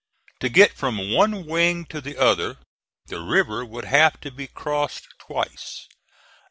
To get from one wing to the other the river would have to be crossed twice.